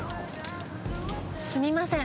すみません。